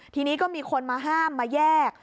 ทีนี้ก็มีคนมาห้ามมาแยก